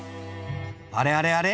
あれあれあれ？